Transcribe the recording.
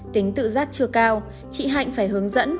tính tự giác chưa cao chị hạnh phải hướng dẫn